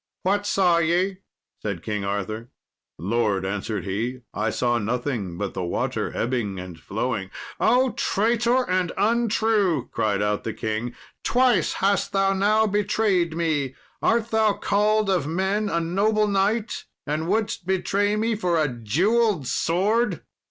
"What saw ye?" said King Arthur. "Lord," answered he, "I saw nothing but the water ebbing and flowing." "Oh, traitor and untrue!" cried out the king; "twice hast thou now betrayed me. Art thou called of men a noble knight, and wouldest betray me for a jewelled sword?